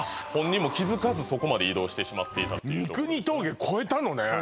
本人も気づかずそこまで移動してしまっていたうわ！